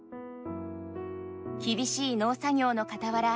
厳しい農作業のかたわら